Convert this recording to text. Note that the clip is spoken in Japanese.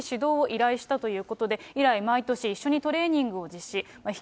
そのときに指導を依頼したということで、以来、毎年一緒にトレーニングを実施。